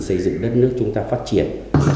xây dựng đất nước chúng ta phát triển